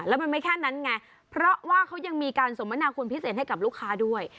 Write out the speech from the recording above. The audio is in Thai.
แล้วมันไม่แค่นั้นไงเพราะว่าเขายังมีการสมมนาคุณพิเศษให้กับลูกค้าด้วย